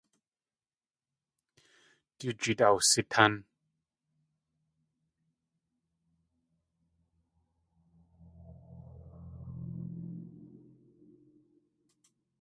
Du jeet awsitán.